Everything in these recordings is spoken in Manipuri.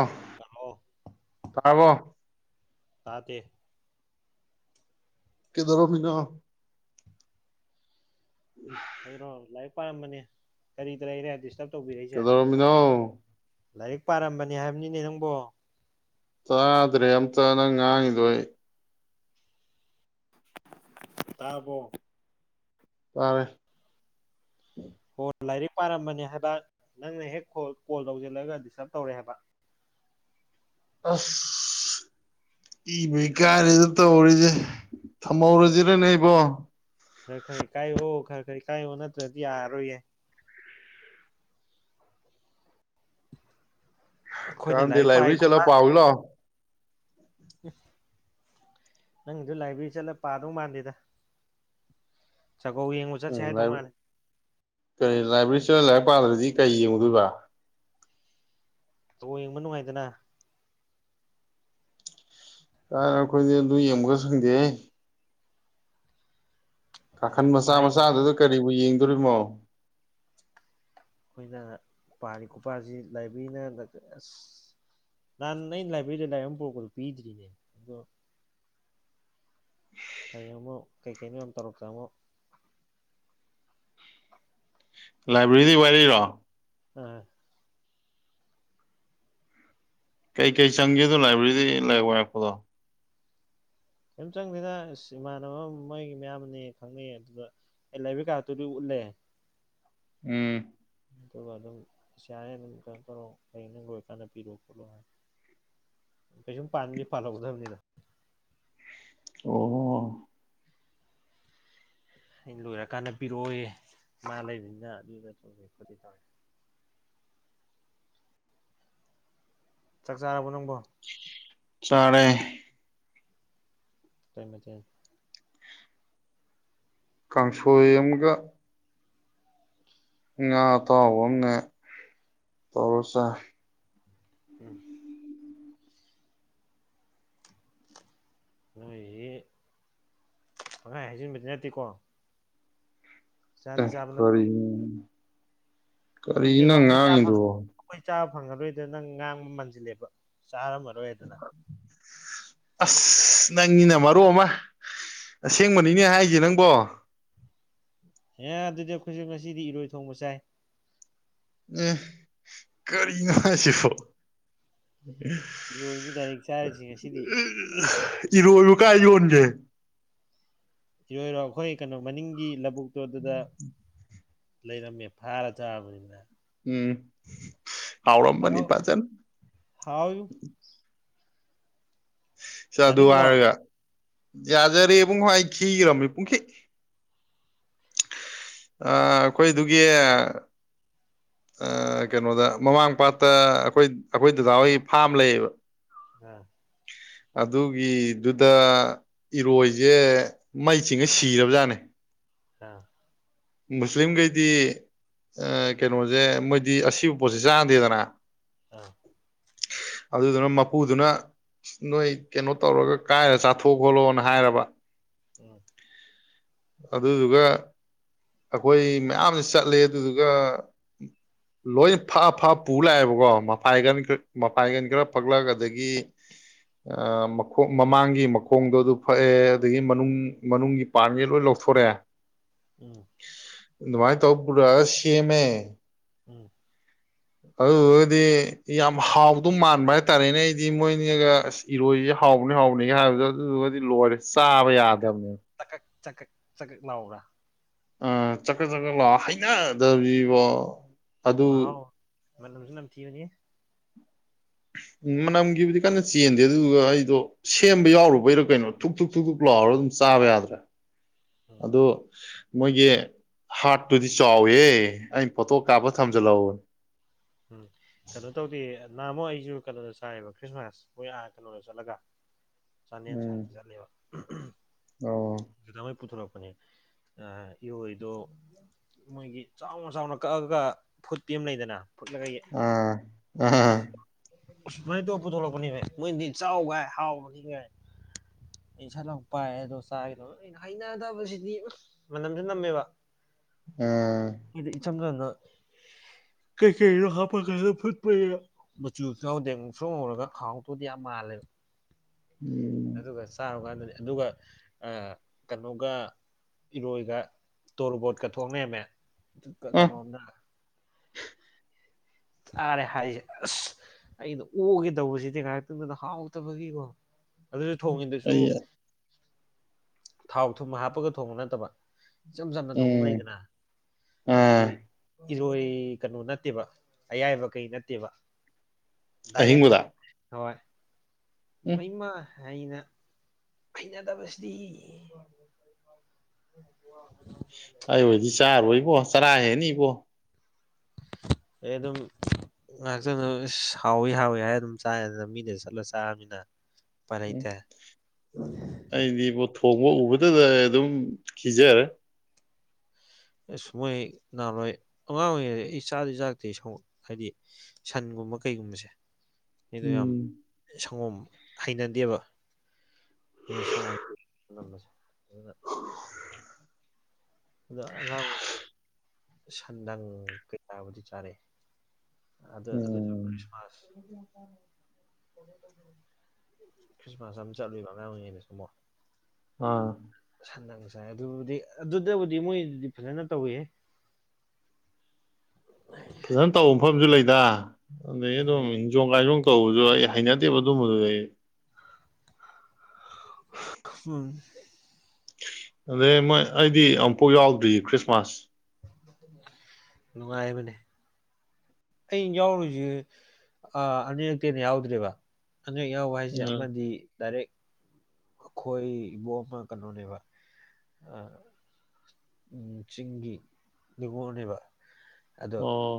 ꯑ ꯍꯜꯂꯣ ꯇꯥꯕꯣ ꯇꯇꯦ ꯀꯗꯔꯣ ꯐꯅ ꯑꯩꯔꯣ ꯂꯥꯏꯔꯤꯛ ꯄꯥꯔꯝꯕꯅꯦ ꯀꯔꯤꯗ ꯂꯩꯔꯦ ꯗꯤꯁꯇꯔꯕ ꯇꯧꯕꯤꯔꯛꯏꯁꯦ ꯀꯗꯔꯃꯤꯅꯣ ꯂꯥꯏꯔꯤꯛ ꯄꯥꯔꯝꯕꯅꯦ ꯍꯥꯏꯕꯅꯤꯅꯦ ꯅꯪꯕꯨꯣ ꯇꯥꯗ꯭ꯔꯦ ꯑꯝꯇ ꯅꯪ ꯉꯥꯡꯉꯤꯗꯣ ꯑꯩ ꯇꯥꯕꯣ ꯇꯔꯦ ꯍꯣ ꯂꯥꯏꯔꯤꯛ ꯄꯥꯔꯝꯕꯅꯦ ꯍꯥꯏꯕ ꯅꯪꯅ ꯍꯦꯛꯣ ꯀꯣꯜ ꯇꯧꯁꯤꯜꯂꯒ ꯗꯤꯁꯇꯔꯕ ꯇꯧꯔꯦ ꯍꯥꯏꯕ ꯑꯁ ꯏ ꯀꯥ ꯏꯗꯨ ꯇ ꯑꯣꯏꯔꯗꯤꯦ ꯊ ꯈꯔ ꯃꯧꯔꯣꯖꯤ ꯔ ꯅꯕ ꯈꯔ ꯈꯔ ꯀꯥꯏꯌꯣꯑꯣ ꯈꯔ ꯈꯔ ꯀꯥꯏꯌꯑꯣ ꯅꯠꯇ꯭ꯔꯗꯤ ꯌꯥꯔꯔꯣꯏꯌꯦꯦ ꯑꯩꯈꯣꯏꯅ ꯀꯥꯟꯗꯤ ꯂꯥꯏꯔꯤꯛ ꯂꯥꯏꯕ꯭ꯔꯦꯔꯤ ꯄꯥꯏꯀꯣ ꯆꯂ ꯄꯥꯎ ꯂꯣ ꯅꯪꯗ ꯂꯥꯏꯕ꯭ꯔꯦꯔꯤ ꯆꯠꯂ ꯄꯥꯗꯧ ꯃꯥꯟꯗꯦꯗ ꯖꯒꯣꯏ ꯌꯦꯡꯕ ꯆꯠꯁꯦ ꯎꯝ ꯍꯥꯏꯗꯧ ꯃꯥꯜꯂꯦ ꯀꯔꯤ ꯂꯥꯏꯕ꯭ꯔꯦ ꯔꯤꯁꯤꯅ ꯂꯥꯏꯔꯤꯛ ꯄꯥꯗ꯭ꯔꯗꯤ ꯀꯔꯤ ꯌꯦꯡꯉꯨꯗꯣꯏꯕ ꯇ ꯌꯦꯡꯕ ꯅꯨꯡꯉꯥꯏꯗꯅ ꯀꯥꯏ ꯑꯩꯈꯣꯏꯗꯤ ꯑꯗꯨ ꯌꯦꯡꯃꯒ ꯁꯪꯗꯦ ꯀꯥꯈꯟ ꯃꯆꯥ ꯄꯥꯔꯤꯉꯣ ꯃꯆꯥꯗꯨꯗ ꯀꯔꯤꯕꯨ ꯌꯦꯡꯗꯣꯔꯤꯅꯣ ꯑꯩꯈꯣꯏꯅ ꯄꯥꯔꯤ ꯈꯨꯄꯥꯁꯤ ꯂꯥꯏꯕ꯭ꯔꯦꯔꯤꯅ ꯑꯁ ꯅꯍꯥꯟ ꯑꯩꯅ ꯂꯥꯏꯕ꯭ꯔꯦꯔꯤꯗ ꯂꯥꯏꯔꯤꯛ ꯑꯃ ꯄꯔꯛꯄꯗꯣ ꯄꯤꯗ꯭ꯔꯤꯅꯦ ꯑꯗꯣ ꯑ ꯑꯃ ꯀꯩ ꯀꯩꯅꯤ ꯑ ꯇꯔꯛꯇꯛꯇꯃꯣ ꯂꯥꯏꯕ꯭ꯔꯦꯔꯤꯗꯤ ꯋꯥꯔꯤꯔꯤꯔꯣ ꯎꯝ ꯀꯩꯀꯩ ꯆꯪꯒꯦꯗꯣ ꯂꯥꯏꯕ꯭ꯔꯦꯔꯤ ꯂꯥꯏ ꯋꯥꯔꯛꯄꯗꯣ ꯀꯩꯝ ꯆꯪꯅꯤꯗ ꯑ ꯏꯃꯥꯟꯅꯕ ꯃꯣꯏꯒꯤ ꯃꯌꯥꯝꯅꯦ ꯈꯪꯅꯩ ꯑꯗꯨꯗ ꯑꯦꯂꯥꯏꯕ ꯀꯥꯇꯨꯔꯤ ꯎꯂꯦ ꯎꯝ ꯑꯗꯨꯒ ꯑꯗꯨꯝ ꯄꯩꯥꯔꯦ ꯑꯗꯨꯝꯩꯅꯩꯅꯣ ꯍ ꯅꯪ ꯂꯣꯏꯔ ꯀꯥꯟꯗ ꯄꯤꯔꯣ ꯈꯣꯠꯂꯣ ꯍꯥꯏ ꯀꯩꯁꯨꯝ ꯄꯕꯤ ꯐꯂꯛꯗꯕꯅꯤꯅ ꯑꯣ ꯑꯩꯅ ꯂꯣꯏꯔ ꯀꯥꯟꯗ ꯄꯤꯔꯛꯑꯣꯏ ꯃꯥ ꯂꯩꯕꯅꯤꯅ ꯑꯗꯨꯗ ꯇꯧꯣ ꯇꯧꯋꯦ ꯆꯥꯛ ꯆꯥꯔꯕꯣ ꯅꯪꯕꯣ ꯆꯔꯦ ꯇꯣꯏ ꯃꯆ ꯀꯥꯡꯁꯣ ꯑꯃꯒ ꯉꯥ ꯑꯇꯥꯎꯕ ꯑꯃꯒ ꯇꯧꯔ ꯆꯥꯏ ꯎꯝ ꯅꯣꯏꯁꯤ ꯄꯪꯍꯥꯏ ꯍꯥꯏꯖꯤꯟꯕꯗꯤ ꯅꯠꯇꯦꯀꯣ ꯑ ꯆꯥꯗꯤ ꯆꯥꯕ ꯅꯠꯇ꯭ꯔꯣ ꯀꯔꯤ ꯅꯠꯇꯦꯕ ꯀꯔꯤꯅ ꯑꯩꯈꯣꯏ ꯆꯥ ꯐꯪ ꯉꯥꯡꯉꯤꯗꯨꯕꯣ ꯑꯩꯈꯣꯏ ꯆꯥꯕ ꯐꯪꯉꯔꯣꯏꯗ ꯅꯪ ꯉꯥꯡꯕ ꯃꯟꯁꯤꯜꯂꯦꯕ ꯆꯥꯔꯝꯃꯔꯣꯏꯗꯅ ꯑꯁ ꯅꯪꯒꯤꯅ ꯃꯔꯨꯞ ꯑꯃ ꯑꯁꯦꯡꯕꯅꯤꯅꯦ ꯍꯥꯏꯁꯦ ꯅꯪꯕꯣ ꯑꯦꯦ ꯑꯗꯨꯗꯤ ꯑꯩꯈꯣꯏꯁꯨꯛ ꯉꯁꯤꯗꯤ ꯏꯔꯣꯏ ꯊꯣꯡꯕ ꯆꯥꯏ ꯑꯦ ꯀꯔꯤꯅꯣ ꯍꯥꯏꯁꯤꯕꯣ ꯏꯔꯣꯏꯅꯤ ꯗꯥꯏꯔꯤꯛ ꯆꯥꯔꯤꯁꯤ ꯉꯁꯤꯗꯤ ꯏꯔꯣꯏꯕꯨ ꯀꯥꯏ ꯌꯣꯟꯖꯦ ꯏꯔꯣꯏꯔꯣ ꯑꯩꯈꯣꯏ ꯀꯩꯅꯣ ꯃꯅꯤꯡꯒꯤ ꯂꯕꯨꯨꯛꯇꯣ ꯑꯗꯨꯗ ꯂꯩꯔꯝꯃꯦ ꯐꯥꯔ ꯆꯥꯕꯅꯤꯅ ꯎꯝ ꯍꯥꯎꯔꯝꯕꯅꯤ ꯍꯥꯎ ꯐꯖꯜ ꯍꯥꯎꯏ ꯆ ꯑꯗꯨ ꯆꯥꯅꯤꯡꯗ꯭ꯔꯣ ꯍꯥꯏꯔꯒ ꯌꯥꯖꯔꯦ ꯄꯨꯡ ꯍꯏ ꯈꯤꯔꯝꯃꯤ ꯄꯨꯡꯈꯤ ꯑ ꯑꯩꯈꯣꯏꯗꯨꯒꯤ ꯀꯩꯅꯣꯗ ꯃꯃꯥꯡ ꯄꯥꯠꯇ ꯑꯩꯈꯣꯏ ꯑꯩꯈꯣꯏ ꯗꯗꯥꯍꯣꯏ ꯐꯥꯝ ꯂꯩꯌꯦꯕ ꯎꯝ ꯑꯗꯨꯒꯤꯗꯨꯗ ꯏꯔꯣꯏꯁꯦ ꯃꯩ ꯆꯤꯡꯉ ꯁꯤꯔꯕꯖꯥꯠꯅꯦ ꯑꯥ ꯃꯨꯁꯂꯤꯝꯈꯩꯗꯤ ꯀꯩꯅꯣꯁꯦ ꯃꯣꯏꯗꯤ ꯑꯁꯤꯕ ꯄꯣꯠꯁꯦ ꯆꯥꯟꯗꯦꯗꯅ ꯑꯥ ꯑꯗꯨꯗꯨꯅ ꯃꯄꯨꯗꯨꯅ ꯅꯣꯏ ꯀꯩꯅꯣ ꯇꯧꯔꯒ ꯀꯥꯏꯔ ꯆꯥꯊꯣꯛ ꯈꯣꯠꯂꯣꯅ ꯍꯥꯏꯔꯕ ꯎꯝ ꯑꯗꯗꯨꯒ ꯑꯩꯈꯣꯏ ꯃꯌꯥꯝꯅ ꯆꯠꯂꯦ ꯑꯗꯨꯗꯨꯒ ꯂꯣꯏ ꯐ ꯐ ꯄꯨ ꯂꯥꯛꯑꯦꯕꯀꯣ ꯃꯄꯥꯏꯒꯟ ꯃꯄꯥꯏꯒꯟ ꯈꯔ ꯐꯛꯂꯛ ꯑꯗꯒꯤ ꯃꯈ ꯃꯃꯥꯡꯒꯤ ꯃꯈꯣꯡꯗꯣ ꯑꯗꯨ ꯐꯛꯑꯦ ꯑꯗꯒꯤ ꯃꯅꯨꯡ ꯃꯅꯨꯡꯒꯤ ꯄꯥꯟꯒꯦ ꯂꯣꯏ ꯂꯧꯊꯣꯛ ꯁꯣꯔꯦ ꯎꯝ ꯏ ꯃꯥ ꯇꯧꯔꯁꯌꯃꯦ ꯎꯝ ꯑꯗꯨꯗꯨꯒꯗꯤ ꯌꯥꯝ ꯍꯥꯎꯗ ꯃꯥꯟꯕ ꯍꯥꯏꯇꯥꯔꯦꯅꯦ ꯑꯩꯗꯤ ꯃꯣꯏꯅꯤꯒ ꯑꯁ ꯏꯔꯣꯏ ꯍꯥꯎꯅꯤ ꯍꯥꯎꯅꯤꯒ ꯍꯥꯏꯕꯗꯣ ꯑꯗꯨꯗꯨꯒꯗꯤ ꯂꯣꯏꯔꯦ ꯆꯥꯕ ꯌꯥꯗꯕꯅꯦꯕ ꯆꯀ ꯆꯀ ꯅꯅꯥꯎꯕ ꯆꯀ ꯆꯀꯠ ꯂꯥꯛ ꯍꯩꯅꯗꯕꯤꯔꯤꯕꯣ ꯑꯗꯨ ꯃꯁ ꯂꯝ ꯊꯕꯅꯤꯦ [inaudible] ꯎꯝ ꯃꯅꯝꯒꯤꯕꯨꯗꯤ ꯀꯟꯅ ꯆꯦꯟꯗꯦ ꯑꯗꯨꯗꯨꯒ ꯑꯩꯗꯣ ꯁꯦꯝꯕ ꯌꯥꯎꯔꯨꯕꯩꯔꯥ ꯀꯩꯅꯣ ꯊꯨ ꯊꯨꯛ ꯊꯨꯛ ꯊꯨ ꯂꯥꯛꯑꯣꯔ ꯑꯗꯨꯝ ꯆꯥꯕ ꯌꯥꯗ꯭ꯔꯦ ꯎꯝ ꯑꯗꯨ ꯃꯣꯏꯒꯤ ꯍꯥꯔꯠꯇꯨꯗꯤ ꯆꯥꯎꯋꯦ ꯑꯩꯅ ꯐꯣꯇꯣ ꯀꯥꯞꯄ ꯊꯝꯖꯤꯜꯂꯛꯎꯅꯦ ꯎꯝ ꯀꯩꯅꯣ ꯇꯧꯒ ꯅꯅꯥꯃꯣ ꯑꯩꯁꯨ ꯀꯩꯅꯣꯗ ꯆꯥꯏꯕ ꯈ꯭ꯔꯤꯁꯃꯥꯁ ꯃꯣꯏ ꯑ ꯀꯩꯅꯣꯗ ꯆꯠꯂꯒ ꯆꯥꯟꯗꯦꯜ ꯎꯝ ꯁꯥꯏꯠꯇ ꯆꯠꯂꯦꯕ ꯑꯣ ꯗꯥꯃꯩ ꯄꯨꯊꯣꯔꯛꯄ ꯅꯦ ꯑ ꯏꯍꯗꯣ ꯃꯣꯏꯒꯤ ꯆꯥꯎꯅ ꯆꯥꯎꯅ ꯀꯛꯑꯒ ꯐꯨꯠꯇꯤ ꯑꯃ ꯂꯩꯗꯅ ꯐꯨꯠꯂꯒ ꯎꯝ ꯎꯝ ꯑ ꯃꯩ ꯇꯣ ꯄꯨꯊꯂꯛꯄꯅꯦꯅꯦ ꯃꯣꯏꯗꯤ ꯆꯥꯎꯒꯥꯏ ꯍꯥꯎꯕꯗꯤꯒꯥꯏ ꯑꯩ ꯏꯁꯠ ꯂ ꯄꯥꯏ ꯑꯗꯣ ꯆꯥꯒꯗ ꯑꯩꯅ ꯍꯩꯅꯗꯕꯁꯤꯗꯤ ꯃꯅꯝꯁꯨ ꯅꯝꯃꯦꯕ ꯎꯝ ꯑꯗꯨ ꯀꯩꯀꯩꯗꯣ ꯍꯥꯞꯄ ꯐꯨꯠꯄ ꯃꯆꯨꯗꯦ ꯁꯣꯡꯍꯧꯔꯒ ꯍꯥꯎꯇꯣꯗꯤ ꯌꯥꯝ ꯃꯥꯟꯦ ꯇꯥꯂꯦ ꯎꯝ ꯑꯗꯨꯒ ꯆꯥꯔꯨꯀꯥꯟꯗꯅꯤ ꯑꯗꯨꯒ ꯀꯩꯅꯣꯒ ꯏꯔꯣꯏꯒ ꯇꯣꯔꯣꯕꯣꯠꯀ ꯊꯣꯡꯅꯩꯃꯦ ꯑꯥ ꯀꯩꯅꯣꯝꯅ ꯑꯔꯦ ꯍꯥꯏ ꯑꯩꯅ ꯑꯣꯛꯒꯦ ꯇꯧꯕꯁꯤꯗꯤ ꯉꯥꯏꯍꯥꯛꯇꯗꯗ ꯍꯥꯎꯇꯕꯒꯤꯀꯣ ꯑꯗꯨꯁꯨ ꯊꯣꯡꯉꯤꯗꯨꯁꯨ ꯑꯩ ꯊꯥꯎ ꯊꯨꯝ ꯍꯥꯞꯄꯒ ꯊꯣꯡꯕ ꯅꯠꯇꯕ ꯏꯆꯝ ꯆꯝꯅ ꯊꯣꯡꯐꯝ ꯎꯝ ꯂꯩꯗꯅ ꯑꯗꯨꯁꯨ ꯑꯥ ꯏꯔꯣꯏ ꯀꯩꯅꯣ ꯅꯠꯇꯦꯕ ꯑꯌꯥꯏꯕ ꯀꯩ ꯅꯠꯇꯦꯕ ꯗꯥꯏꯔꯦꯛ ꯑꯍꯤꯡꯕꯗ ꯍꯣꯏ ꯎꯝ ꯏꯃ ꯏꯃ ꯍꯅꯦ ꯐꯩꯅꯗꯕꯁꯗꯤ ꯑꯩ ꯍꯣꯏꯗꯤ ꯆꯥꯔꯣꯏ ꯏꯕꯣ ꯆꯔꯥ ꯍꯦꯅꯤ ꯏꯕꯣ ꯑꯩ ꯑꯗꯨꯝ ꯉꯥꯏꯍꯥꯛꯇꯪꯗ ꯍꯥꯎꯋꯤ ꯍꯥꯎꯋꯤ ꯍꯥꯏꯔ ꯑꯗꯨꯝ ꯆꯥꯏꯅꯤꯅ ꯃꯤꯅꯁꯨ ꯁꯠꯂ ꯆꯥꯔꯃꯤꯅ ꯎꯝ ꯑꯩꯗꯤ ꯄꯨꯊ ꯐꯣꯡꯕ ꯎꯕꯗꯗ ꯑꯗꯨꯝ ꯈꯤꯖꯔꯦ ꯑꯁ ꯃꯣꯏ ꯅꯍꯥꯟꯋꯥꯏ ꯑꯉꯥꯡ ꯑꯣꯏꯔꯤꯉꯩꯗ ꯑꯩ ꯆꯥꯗꯤ ꯆꯥꯛꯇꯦ ꯁ ꯍꯥꯏꯗꯤ ꯁꯟꯒꯨꯝꯕ ꯀꯩꯒꯨꯝꯦꯣ ꯌꯥꯝ ꯎꯝ ꯁꯪꯒꯣꯝ ꯍꯩꯅꯗꯦꯕ ꯁꯪꯒꯣꯝꯁꯦ ꯑ ꯑꯗ ꯑꯉꯥꯡ ꯑꯣꯏ ꯁꯟꯗꯪ ꯀꯩꯀꯥꯕꯨꯗꯤ ꯆꯥꯔꯦ ꯑꯗ ꯎꯝ ꯑꯗꯨ꯭ꯔꯤꯃꯁ ꯈ꯭ꯔꯤꯁꯃꯥꯁ ꯑꯃ ꯆꯠꯂꯨꯕ ꯃꯌꯥꯝ ꯑꯣꯏꯉꯦꯅ ꯁ ꯃꯣ ꯑꯥ ꯁꯗꯁꯥꯏ ꯑꯗꯨꯕꯨꯗꯤ ꯑꯗꯨ ꯑꯗꯨꯗꯕꯨꯗꯤ ꯃꯣꯏꯗꯤ ꯐꯖꯅ ꯇꯧꯋ ꯐꯖꯅ ꯇꯧꯕ ꯃꯐꯝꯁꯨ ꯂꯩꯗ ꯑꯗꯩ ꯑꯗꯨꯝ ꯂꯩ ꯍꯤꯡꯖꯣ ꯂꯥꯏꯖꯣꯡ ꯇꯧꯕꯁꯨ ꯑꯩ ꯍꯩꯅꯗꯦꯕ ꯑꯗꯨꯝꯕꯗꯨꯗ ꯑꯩ ꯎꯝ ꯑꯗꯩ ꯃꯣꯏ ꯑꯩꯗꯤ ꯑꯃꯨꯛꯐꯥꯎ ꯌꯥꯎꯗ꯭ꯔꯤ ꯈ꯭ꯔꯤꯁꯃꯥꯁ ꯅꯨꯡꯉꯥꯏꯦ ꯃꯅꯤꯅꯦ ꯑ ꯌꯥꯎꯔꯨꯔꯤꯁꯤ ꯑꯅꯤꯔꯛꯇꯦꯅ ꯌꯥꯎꯗ꯭ꯔꯦꯕ ꯍꯟꯗꯛ ꯌꯥꯎꯕ ꯍꯥꯏꯁꯦ ꯎꯝ ꯑꯃꯗꯤ ꯗꯥꯏꯔꯦꯛ ꯑꯈꯣꯏꯕꯣ ꯀꯩꯅꯣꯅꯦꯚ ꯑ ꯎ ꯆꯤꯡꯒꯤ ꯉꯣꯅꯦꯕ ꯑꯣ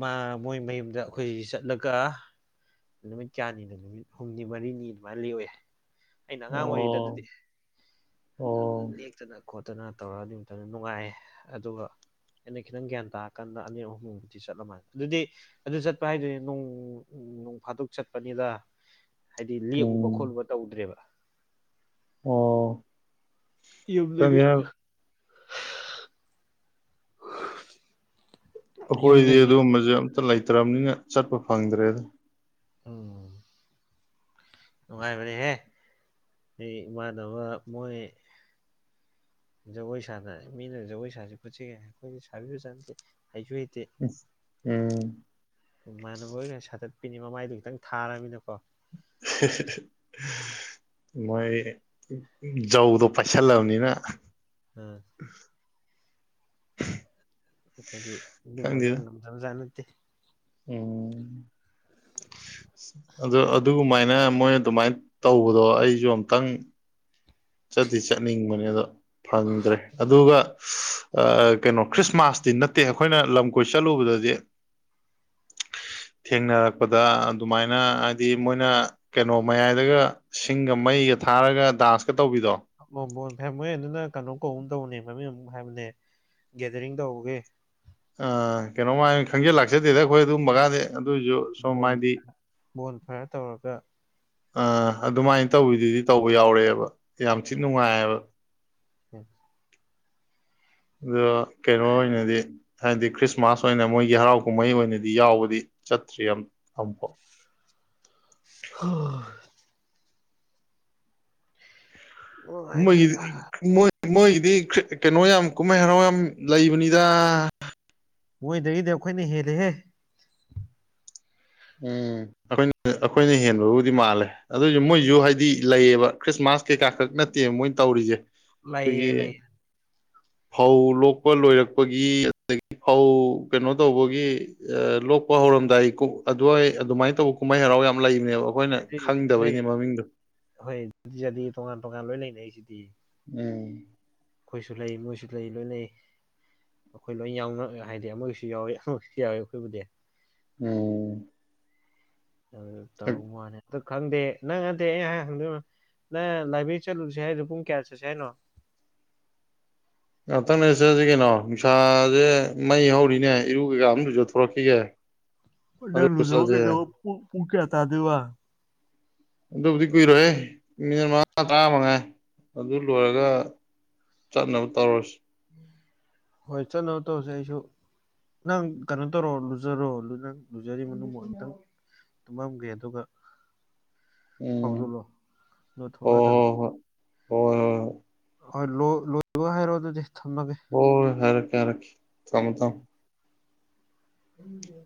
ꯃꯣꯏ ꯃꯌꯨꯝꯗ ꯑꯩꯈꯣꯏ ꯆꯠꯂꯒ ꯅꯨꯃꯤꯠ ꯀꯌꯥꯅꯤꯗ ꯅꯨꯃꯤꯠ ꯍꯨꯝꯅꯤ ꯃꯔꯤꯅꯤ ꯑꯗꯨꯃꯥꯏꯅ ꯂꯤꯎꯑꯦ ꯑꯩꯅ ꯑꯉꯥꯡ ꯑꯣꯏꯔꯤꯗ ꯑꯣ ꯑꯗꯨꯗꯤ ꯑꯗꯨ ꯑꯣ ꯂꯦꯛꯇꯅ ꯈꯣꯠꯇꯅ ꯇꯧꯔ ꯑꯗꯨ ꯃꯇꯝꯗ ꯅꯨꯡꯉꯥꯏ ꯑꯗꯨꯒ ꯑꯩꯅ ꯈꯤꯇꯪ ꯒ꯭ꯌꯥꯟ ꯇꯥꯔꯀꯥꯟꯗ ꯑꯅꯤꯔ ꯑꯍꯨꯝꯃꯨꯕꯨꯗꯤ ꯆꯠꯂꯝꯃꯅꯤ ꯑꯗꯨꯗꯤ ꯑꯗꯨ ꯆꯠꯄ ꯍꯥꯏꯗꯨꯅꯦ ꯅꯣꯡ ꯅꯅꯨꯡ ꯐꯥꯗꯣꯛ ꯆꯠꯄꯅꯤꯗ ꯍꯥꯏꯗꯤ ꯂꯦꯛꯎꯨꯕ ꯎꯝ ꯈꯣꯠꯂꯨꯕ ꯇꯧꯗ꯭ꯔꯦꯕ ꯑꯣ ꯌ ꯂꯩꯗꯒꯤ ꯈꯪꯗꯦ ꯑꯩꯈꯣꯏꯗꯤ ꯌꯨꯝꯗꯒꯤ ꯑꯗꯨꯒꯨꯝꯕꯁꯦ ꯑꯝꯇ ꯂꯩꯇ꯭ꯔꯕꯅꯤꯅ ꯆꯠꯄ ꯐꯪꯗ꯭ꯔꯦꯗ ꯎꯝ ꯅꯨꯡꯉꯥꯏꯕꯅꯦꯍꯦ ꯑꯩ ꯏꯃꯥꯟꯅꯕ ꯃꯣꯏ ꯖꯒꯣꯏ ꯁꯥꯅ ꯃꯤꯅ ꯖꯒꯣꯏ ꯁꯥꯁꯤ ꯄꯨꯠꯁꯤꯒ ꯑꯩꯈꯣꯏ ꯁꯥꯕꯤꯁꯨ ꯆꯅꯗꯦ ꯍꯩꯁꯨ ꯍ ꯎꯝ ꯏꯃꯥꯟꯅꯕ ꯑꯣꯏꯅ ꯁꯥꯠꯇꯠꯄꯤꯅꯤ ꯃꯃꯥꯏꯗꯣ ꯈꯤꯇꯪ ꯊꯥꯔꯕꯅꯤꯅꯀꯣ [unintelligible] ꯃꯣꯏ ꯖꯧꯗꯣ ꯄꯥꯏꯁꯜꯂꯕꯅꯤꯅ ꯎꯝ ꯑꯩ ꯐꯗꯤ ꯑꯗꯨꯕ ꯈ ꯉꯝꯗꯕꯖꯥꯅꯠꯇꯦ ꯑꯣꯝ ꯑꯗꯨ ꯑꯗꯨꯒꯃꯥꯏꯅ ꯃꯣꯏ ꯑꯗꯨꯃꯥꯏꯅ ꯇꯧꯕꯗꯣ ꯑꯩꯁꯨ ꯑꯝꯇꯪ ꯆꯠꯇꯤ ꯆꯠꯅꯤꯡꯕꯅꯦ ꯑꯗꯣ ꯐꯪꯗ꯭ꯔꯦ ꯑꯗꯨꯒ ꯀꯩꯅꯣ ꯈ꯭ꯔꯤꯁꯃꯥꯁꯇꯤ ꯅꯠꯇꯦ ꯑꯩꯈꯣꯏꯅ ꯂꯝ ꯀꯣꯏ ꯆꯠꯂꯨꯕꯗ ꯗ ꯊꯦꯡꯅꯔꯛꯄꯗ ꯑꯗꯨꯃꯥꯏꯅ ꯍꯥꯏꯗꯤ ꯃꯣꯏꯅ ꯀꯩꯅꯣ ꯃꯌꯥꯏꯗꯒ ꯁꯤꯡꯒ ꯃꯩ ꯀ ꯊꯥꯔꯒ ꯗꯥꯟꯁꯀ ꯇꯧꯕꯤꯗꯣ ꯃꯣꯏ ꯑꯗꯨꯅ ꯀꯩꯅꯣ ꯀꯧꯕꯧ ꯇꯧꯕꯅꯦ ꯃꯃꯤꯡ ꯑꯃ ꯍꯥꯏꯕꯅꯦ ꯒꯦꯗꯔꯤꯡ ꯇꯧꯕꯒꯦ ꯑ ꯀꯩꯅꯣꯃꯥꯏ ꯈꯪꯖꯤꯜ ꯂꯥꯛꯆꯗꯦꯗ ꯑꯩꯈꯣꯏ ꯑꯗꯨꯝ ꯕꯒꯗꯤ ꯑꯗꯨꯑꯣꯏꯁꯨ ꯕꯣꯟ ꯁꯣꯝꯃꯗꯤ ꯕꯣꯟ ꯐꯥꯏꯌꯔ ꯇꯧꯔꯒ ꯑ ꯑꯗꯨꯃꯥꯏꯅ ꯇꯧꯕꯤꯗꯨꯗꯤ ꯇꯧꯕ ꯌꯥꯎꯔꯛꯑꯦꯕ ꯌꯥꯝ ꯊꯤ ꯅꯨꯡꯉꯥꯏꯕ ꯑ ꯀꯩꯅꯣ ꯑꯣꯏꯅꯗꯤ ꯍꯥꯏꯗꯤ ꯈ꯭ꯔꯤꯁꯃꯥꯁ ꯑꯣꯏꯅ ꯃꯣꯏꯒꯤ ꯍꯔꯥꯎ ꯀꯨꯝꯍꯩ ꯑꯣꯏꯅꯗꯤ ꯌꯥꯎꯕꯗꯤ ꯆꯇꯔꯤꯌꯝ ꯑꯝꯕꯣ ꯍ ꯃ ꯅꯨꯡꯉꯥꯏꯕꯅꯤꯗ ꯃꯣꯏꯒꯤꯗꯤ ꯀꯩꯅꯣ ꯌꯥꯝ ꯀꯨꯝꯍꯩ ꯍꯔꯥꯎ ꯌꯥꯝ ꯂꯩꯕꯅꯤꯗ ꯃꯣꯏꯗꯒꯤꯗꯤ ꯑꯩꯈꯣꯏꯅ ꯍꯦꯜꯂꯦꯍꯦ ꯎꯝ ꯑꯩꯈꯣꯏ ꯑꯩꯈꯣꯏꯅ ꯍꯦꯟꯕꯕꯨꯗꯤ ꯃꯥꯜꯂꯦ ꯑꯗꯨꯏꯁꯨ ꯃꯣꯏꯁꯨ ꯍꯥꯏꯗꯤ ꯂꯩꯌꯦꯕ ꯈ꯭ꯔꯤꯁꯃꯥꯁ ꯀꯩꯀꯥ ꯈꯛ ꯅꯠꯇꯦꯕ ꯃꯣꯏꯅ ꯇꯧꯔꯤꯁꯦ ꯂꯩꯌꯦ ꯑꯩꯈꯣꯏꯒꯤ ꯂꯩꯌꯦ [unintelligible] ꯐꯧ ꯂꯣꯛꯄ ꯂꯣꯏꯔꯛꯄꯒꯤ ꯑꯗꯒꯤ ꯐꯧ ꯀꯩꯅꯣ ꯇꯧꯕꯒꯤ ꯂꯣꯛꯄ ꯍꯧꯔ ꯧꯔꯝꯗꯥꯏ ꯑꯗꯨꯋꯥꯏ ꯑꯗꯨꯃꯥꯏꯅ ꯇꯧꯕ ꯀꯨꯝꯍꯩ ꯍꯔꯥꯎ ꯌꯥꯝꯅ ꯂꯩꯕꯅꯦꯕ ꯑꯩꯈꯣꯏꯅ ꯗꯤ ꯍꯣꯏ ꯈꯪꯗꯕꯩꯅꯦ ꯃꯃꯤꯡꯗꯣ ꯍꯣꯏꯗꯤ ꯇꯣꯉꯥꯟ ꯇꯣꯉꯥꯟ ꯂꯣꯏ ꯂꯩꯅꯩꯁꯤꯗꯤ ꯎꯝ ꯑꯩꯈꯣꯏꯁꯨ ꯂꯩ ꯃꯣꯏꯁꯨ ꯂꯩ ꯂꯣꯏꯅꯩ ꯑꯩꯈꯣꯏ ꯂꯣꯏ ꯌꯥꯎꯅ ꯍꯥꯏꯗꯤ ꯑꯃꯒꯤꯁꯨ ꯌꯥꯎꯋꯤꯁꯨ ꯌꯥꯎꯋꯤ ꯑꯩꯈꯣꯏꯕꯨꯗꯤ ꯑꯣ ꯑꯗꯨ ꯇꯧ ꯃꯥꯅꯤ ꯑꯗꯨ ꯈꯪꯗꯦ ꯅꯪꯉꯗꯤꯦ ꯑꯩ ꯈꯪꯗꯣꯏ ꯅ ꯂꯥꯏꯕ꯭ꯔꯦꯔꯤ ꯆꯠꯂꯨꯁꯦ ꯍꯥꯏꯗꯣ ꯄꯨꯡ ꯀꯌꯥ ꯆꯠꯁꯦ ꯍꯥꯏꯅꯣ [unintelligible] ꯉꯥꯛꯇꯪꯅꯁꯦꯁꯤ ꯀꯩꯅꯣ ꯅꯨꯡꯁꯥꯁꯦ ꯃꯩ ꯍꯧꯔꯤꯅꯦ ꯏꯔꯨ ꯀꯩꯀꯥ ꯑꯝꯗꯨ ꯆꯊꯣꯔꯛꯈꯤꯒꯦ ꯅꯅꯨꯡꯁꯕ ꯀꯩꯗ ꯄꯨꯀꯌꯥ ꯇꯥ ꯑꯗꯨ ꯋꯥ ꯑꯗꯨꯕꯨꯗꯤ ꯀꯨꯏꯔꯣꯏꯦ ꯃꯤꯅꯤꯠ ꯃꯉꯥ ꯇꯥꯃꯉꯥꯏ ꯑꯗꯨ ꯂꯣꯏꯔꯒ ꯆꯠꯅꯕ ꯇꯧꯔꯁꯤ ꯍꯣꯏ ꯆꯂꯧ ꯇꯁꯦꯁꯨ ꯅꯪ ꯀꯩꯅꯣ ꯇꯣ ꯔꯣꯂꯨꯖꯣꯜꯂꯨ ꯅꯪ ꯂꯨꯖꯔꯤ ꯃ ꯃ ꯇꯨꯝꯃꯝꯒꯦ ꯑꯗꯨꯒ ꯎꯝ ꯍꯧꯥꯎꯗꯣꯛꯂꯣ ꯑꯗꯨꯣ ꯊꯣꯛꯂꯛꯑꯗꯕꯅꯤ ꯍ ꯍꯣꯏ ꯂ ꯂꯣꯏꯕ ꯍꯥꯏꯔꯣ ꯑꯗꯨꯗꯤ ꯊꯝꯃꯒꯦ ꯑꯣ ꯍꯦꯔ ꯀꯦꯔ ꯊꯃ ꯇ ꯎꯝ